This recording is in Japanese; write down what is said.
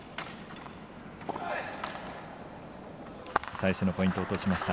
最初のポイント落としました。